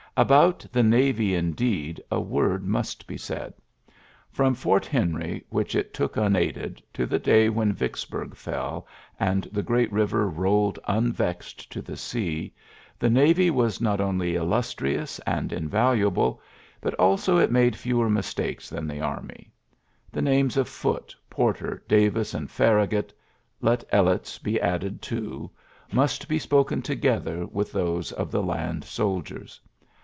About the navy, indeed, a word must be said. Prom Fort Henry, which it took unaided, to the day when Vicksburg fell and the great river "rolled unvexed to the sea,'' the navy was not only illustrious and invaluable, but also it made fewer mistakes than the army. The names of Foote, Porter, Davis, and Farragut (let Ellett's be added too) must be spoken together with those of the land soldiers.